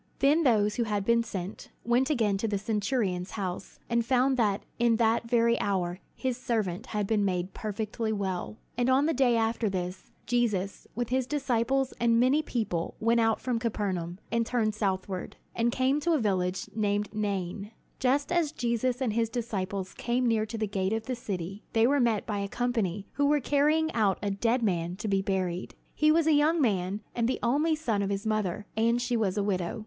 '" Then those who had been sent, went again to the centurion's house, and found that in that very hour his servant had been made perfectly well. On the day after this, Jesus with his disciples and many people went out from Capernaum, and turned southward, and came to a village called Nain. Just as Jesus and his disciples came near to the gate of the city, they were met by a company who were carrying out a dead man to be buried. He was a young man, and the only son of his mother, and she was a widow.